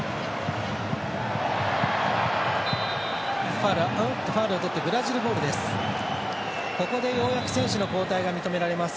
ファウルを取ってブラジルボールです。